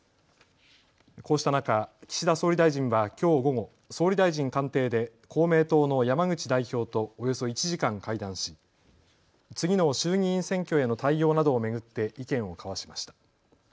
こうした中、岸田総理大臣はきょう午後、総理大臣官邸で公明党の山口代表とおよそ１時間会談し次の衆議院選挙への対応などを巡って意見を交わしました。